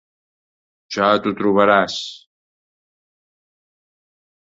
Ja t'ho trobaràs...